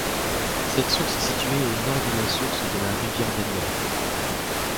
Cette source est située à au Nord de la source de la rivière Daniel.